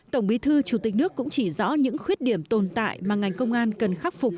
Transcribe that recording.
tổng bí thư chủ tịch nước cũng chỉ rõ những khuyết điểm tồn tại mà ngành công an cần khắc phục